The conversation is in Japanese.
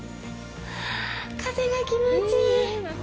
風が気持ちいい。